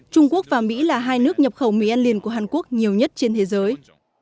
trung quốc và mỹ là hai nước nhập khẩu mì ăn liền của hàn quốc nhiều nhất trên thế giới